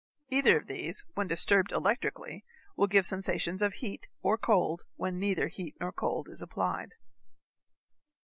Either of these when disturbed electrically will give sensations of heat or cold when neither heat nor cold is applied.